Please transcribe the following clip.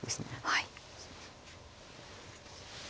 はい。